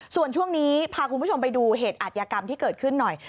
ส่วนช่วงนี้พาคุณผู้ชมไปดูเหตุอัธยกรรมที่เกิดขึ้นหน่อย